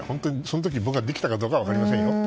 その時、僕ができたかどうかは分かりませんよ。